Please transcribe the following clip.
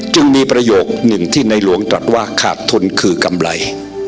จึงมีประโยคหนึ่งที่ในหลวงตรัสว่าขาดทุนคือกำไร